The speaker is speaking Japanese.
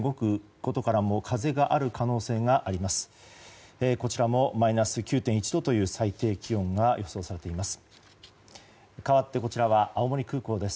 こちらもマイナス９．１度という最高気温が予想されています。